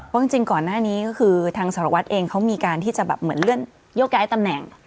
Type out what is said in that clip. เพราะจริงก่อนหน้านี้ก็คือทางสารวัฒน์เองเขามีการที่จะเหมือนเลื่อนโยกไกลตำแหน่ง